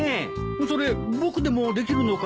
それ僕でもできるのかい？